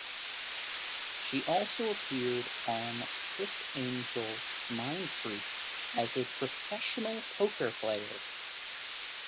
She also appeared on Criss Angel Mindfreak as a professional poker player.